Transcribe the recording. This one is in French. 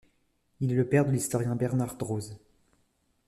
Il est le père de l'historien Bernard Droz.